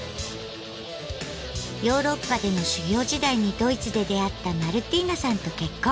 ヨーロッパでの修業時代にドイツで出会ったマルティーナさんと結婚。